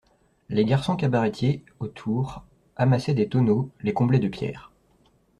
Les garçons cabaretiers, autour, amassaient des tonneaux, les comblaient de pierres.